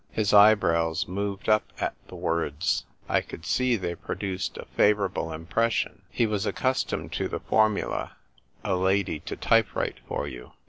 His eyebrows moved up at the words. 1 could see they produced a favourable im pression. He was accustomed to the formula " a lady to type write for you."